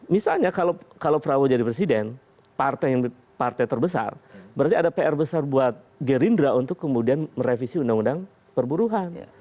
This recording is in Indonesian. misalnya kalau prabowo jadi presiden partai terbesar berarti ada pr besar buat gerindra untuk kemudian merevisi undang undang perburuhan